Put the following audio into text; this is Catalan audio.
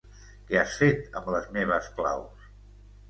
Què has fet amb les meves claus?